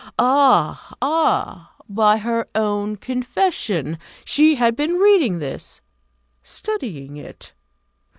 Ah, ah! By her own confession, she had been reading this: studying it.